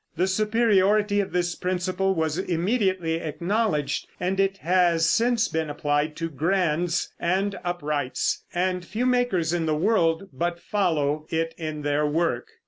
The superiority of this principle was immediately acknowledged, and it has since been applied to grands and uprights, and few makers in the world but follow it in their work.